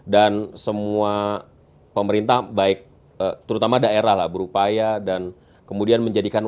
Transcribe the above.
dan semua pemerintah baik terutama daerah lah berupaya dan kemudian menjadikan